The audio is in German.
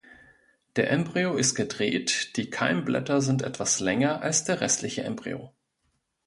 Der Embryo ist gedreht, die Keimblätter sind etwas länger als der restliche Embryo.